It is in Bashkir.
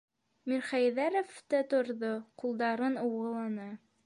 Мирхәйҙәров та торҙо, ҡулдарын ыуғыланы: